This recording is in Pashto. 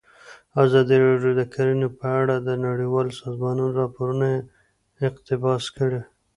ازادي راډیو د کرهنه په اړه د نړیوالو سازمانونو راپورونه اقتباس کړي.